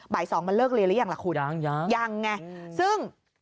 บ่าย๒มันเลิกเรียนแล้วหรือครูยังไงซึ่ง